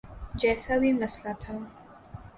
جیسا بھی مسئلہ تھا۔